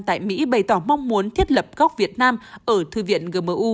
tại mỹ bày tỏ mong muốn thiết lập góc việt nam ở thư viện gmu